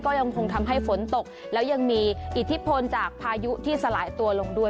ก็ยังคงทำให้ฝนตกแล้วยังมีอิทธิพลจากพายุที่สลายตัวลงด้วย